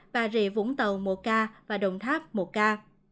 bà rịa vũng tàu một ca và đồng tháp một ca